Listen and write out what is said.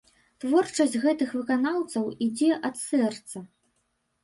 Творчасць гэтых выканаўцаў ідзе ад сэрца.